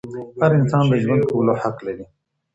هر انسان د ژوند کولو حق لري.